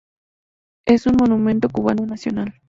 Es un Monumento cubano Nacional.